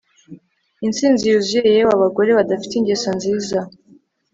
Intsinzi yuzuye yewe bagore badafite ingeso nziza